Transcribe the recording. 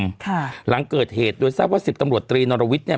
ค่ะหลังเกิดเหตุโดยทราบว่าสิบตำรวจตรีนรวิทย์เนี้ย